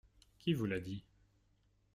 Qui vous l’a dit ?